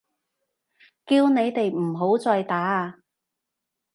叫你哋唔好再打啊！